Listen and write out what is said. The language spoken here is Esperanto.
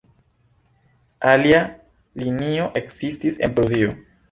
Alia linio ekzistis en Prusio.